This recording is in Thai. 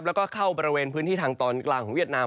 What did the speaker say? แล้วก็เข้าบริเวณพื้นที่ทางตอนกลางของเวียดนาม